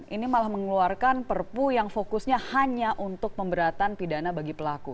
ini malah mengeluarkan perpu yang fokusnya hanya untuk pemberatan pidana bagi pelaku